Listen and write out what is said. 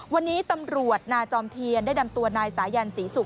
วันนี้ตำรวจนาจอมเทียนได้นำตัวนายสายันศรีศุกร์